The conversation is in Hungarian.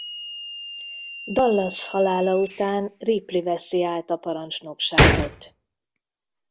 Dallas halála után Ripley veszi át a parancsnokságot.